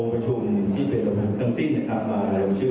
ลงโดยเวลาที่รอให้มาผจญมาในประมาณ๑ชุม